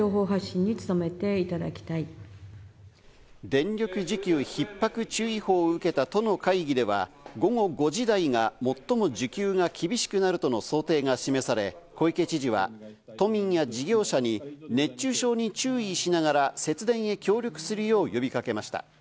電力需給ひっ迫注意報を受けた都の会議では午後５時台が最も需給が厳しくなるとの想定が示され、小池知事は、都民や事業者に熱中症に注意しながら節電へ協力するよう呼びかけました。